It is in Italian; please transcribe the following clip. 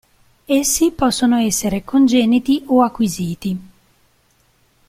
Essi possono essere congeniti o acquisiti.